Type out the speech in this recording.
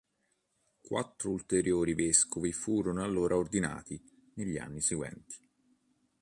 Quattro ulteriori vescovi furono allora ordinati negli anni seguenti.